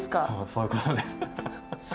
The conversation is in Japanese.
そういうことです。